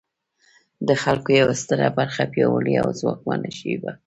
د خلکو یوه ستره برخه پیاوړې او ځواکمنه شوې وه.